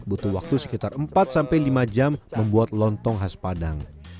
butuh waktu sekitar empat sampai lima jam membuat lontong khas padang